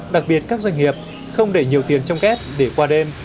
đặc biệt các doanh nghiệp không để nhiều tiền trong kết để qua đêm